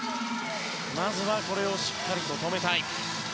まずはこれをしっかりと止めたい。